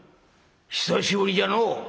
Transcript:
久しぶりじゃのう。